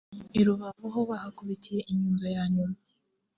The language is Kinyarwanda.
i Rubavu ho bahakubitiye inyundo ya nyuma